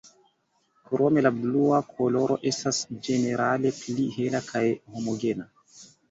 Krome la blua koloro estas ĝenerale pli hela kaj homogena.